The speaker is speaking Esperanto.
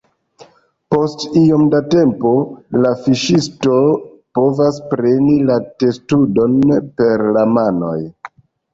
Post iom da tempo, la fiŝisto povas preni la testudon per la manoj.